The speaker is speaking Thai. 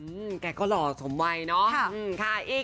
อืมแกก็หล่อสมมัยเนอะครับอืมค่ะอีก